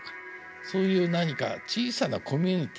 そういう何か小さなコミュニティ。